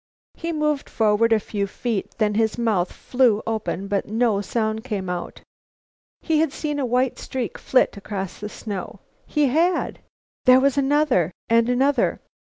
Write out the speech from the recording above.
He moved forward a few feet, then his mouth flew open, but no sound came out. Had he seen a white streak flit across the snow? He had. There was another and another.